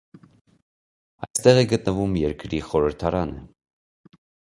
Այստեղ է գտնվում երկրի խորհրդարանը։